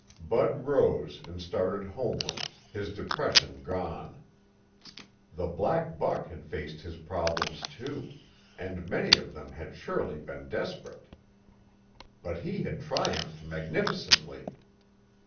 Bud rose and started homeward, his depression gone. The black buck had faced his problems, too, and many of them had surely been desperate. But he had triumphed magnificently.